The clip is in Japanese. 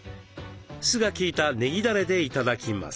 酢が効いたねぎだれで頂きます。